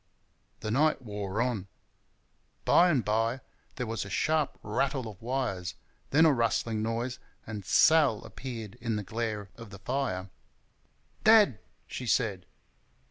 The night wore on. By and by there was a sharp rattle of wires, then a rustling noise, and Sal appeared in the glare of the fire. "DAD!" she said.